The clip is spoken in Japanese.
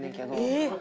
えっ！